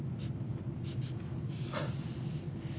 フッ。